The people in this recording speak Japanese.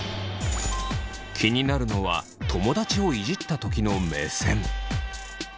気になるのは友達をイジったときの目線。